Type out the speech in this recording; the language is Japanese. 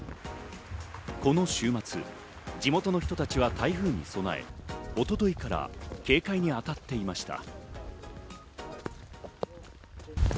この週末、地元の人たちは台風に備え、一昨日から警戒にあたっていました。